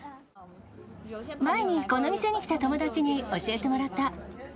前にこの店に来た友達に教えてもらった。